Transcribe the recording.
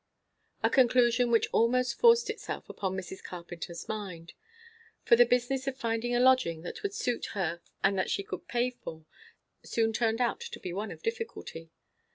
A conclusion which almost forced itself upon Mrs. Carpenter's mind. For the business of finding a lodging that would suit her and that she could pay for, soon turned out to be one of difficulty.